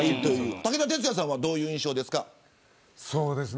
武田鉄矢さんはどういう印象ですか。